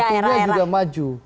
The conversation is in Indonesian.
anak dan mantunya juga maju